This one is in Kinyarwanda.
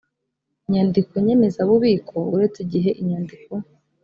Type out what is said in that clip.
nyandiko nyemezabubiko uretse igihe inyandiko